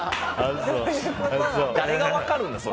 誰が分かるんだよ。